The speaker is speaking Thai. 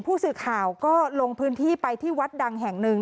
ผู้สื่อข่าวก็ลงพื้นที่ไปที่วัดดังแห่งหนึ่ง